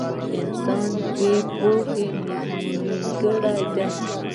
• انسان بې له پوهې نيمګړی دی.